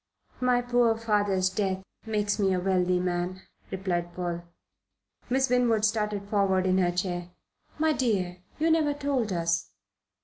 "My poor father's death makes me a wealthy man," replied Paul. Miss Winwood started forward in her chair. "My dear, you never told us."